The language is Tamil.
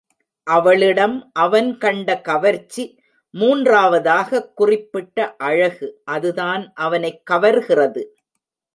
அவளிடம் அவன் கண்ட கவர்ச்சி மூன்றாவதாகக் குறிப்பிட்ட அழகு, அதுதான் அவனைக் கவர்கிறது.